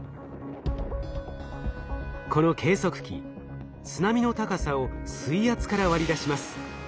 この計測器津波の高さを水圧から割り出します。